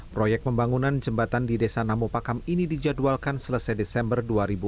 proyek pembangunan jembatan di desa namu pakam ini dijadwalkan selesai desember dua ribu enam belas